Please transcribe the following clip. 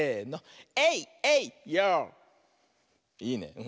いいね。